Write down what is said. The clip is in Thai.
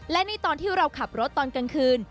และนี่ตอนที่เราขับรถตอนกลางคืน